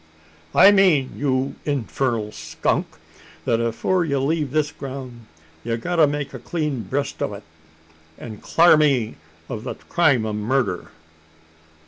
"I mean, you infernal skunk, that afore ye leave this groun', ye've got to make a clean breast o' it, an' clar me o' the crime o' murder."